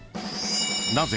［なぜ］